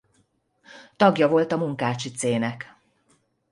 Tagja volt a Munkácsy-céhnek.